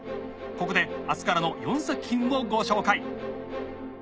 ここで明日からの４作品をご紹介。